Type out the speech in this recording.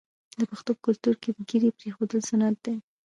د پښتنو په کلتور کې د ږیرې پریښودل سنت دي.